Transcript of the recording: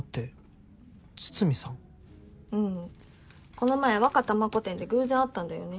この前ワカタマコ展で偶然会ったんだよね。